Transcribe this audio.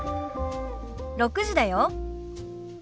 ６時だよ。